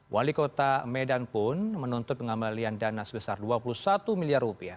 wali kota medan pun menuntut pengambalian dana sebesar rp dua puluh satu miliar